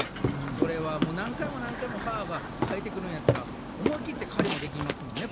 それは何回も何回も歯が生えてくるんやったら思い切って狩りもできますもんね